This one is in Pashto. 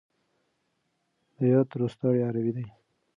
د يات روستاړی عربي دی.